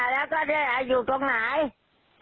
แล้วก็อยู่ตรงไหน